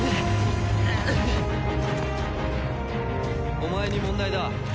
お前に問題だ。